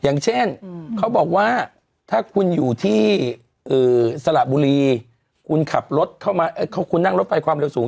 อย่างเช่นเขาบอกว่าถ้าคุณอยู่ที่สระบุรีคุณขับรถเข้ามาคุณนั่งรถไฟความเร็วสูง